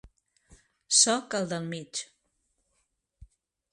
Soc el del mig.